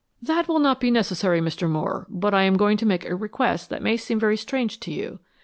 "That will not be necessary, Mr. Moore, but I am going to make a request that may seem very strange to you.